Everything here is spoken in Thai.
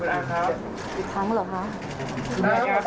พี่ข้ามกลางหน่อยครับ